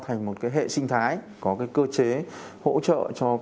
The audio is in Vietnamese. thành một cái hệ sinh thái có cái cơ chế hỗ trợ cho các cái